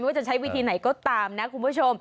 ว่าจะใช้วิธีไหนก็ตามนะคุณผู้ชม